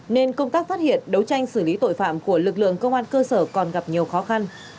nên công tác phát hiện đấu tranh xử lý tội phạm của lực lượng công an cơ sở còn gặp nhiều khó khăn